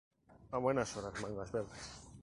¡A buenas horas, mangas verdes!